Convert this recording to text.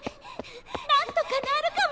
なんとかなるかも！